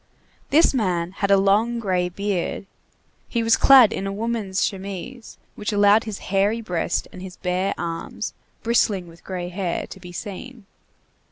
This man had a long gray beard. He was clad in a woman's chemise, which allowed his hairy breast and his bare arms, bristling with gray hair, to be seen.